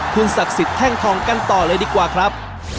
คุณศักดิ์สิทธิแท่งทองกันต่อเลยดีกว่าครับ